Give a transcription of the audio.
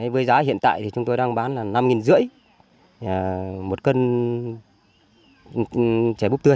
với giá hiện tại thì chúng tôi đang bán là năm năm trăm linh một cân chè búp tươi